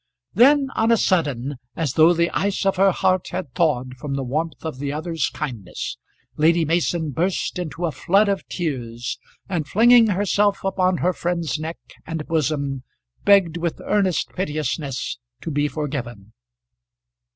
Then, on a sudden, as though the ice of her heart had thawed from the warmth of the other's kindness, Lady Mason burst into a flood of tears, and flinging herself upon her friend's neck and bosom begged with earnest piteousness to be forgiven.